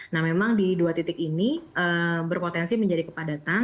nah memang di dua titik ini berpotensi menjadi kepadatan